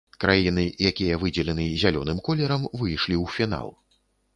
Краіны, якія выдзелены зялёным колерам, выйшлі ў фінал.